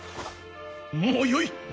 もうよい。